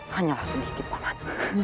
hanyalah sedikit paman